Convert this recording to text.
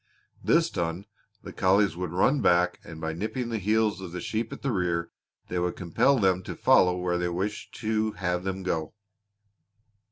This done, the collies would run back and by nipping the heels of the sheep at the rear they would compel them to follow where they wished to have them go.